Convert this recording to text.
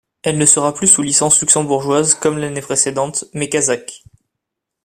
Elle ne sera plus sous licence luxembourgeoise, comme l'année précédente, mais kazakhe.